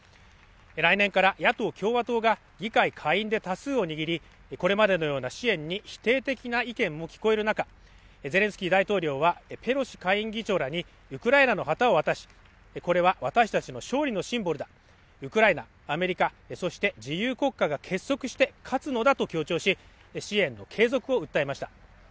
来年から野党・共和党が議会下院で多数を握りこれまでのような支援に否定的な意見も聞こえる中ゼレンスキー大統領はペロシ下院議長らにウクライナの旗を渡しこれは私たちの勝利のシンボルだウクライナアメリカへそして自由国家が結束して勝つのだと強調し支援の継続を訴えました